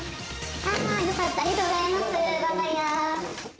あー、よかった、ありがとうございます。